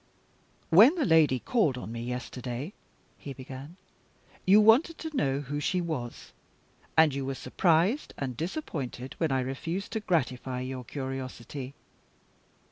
"When that lady called on me yesterday," he began, "you wanted to know who she was, and you were surprised and disappointed when I refused to gratify your curiosity.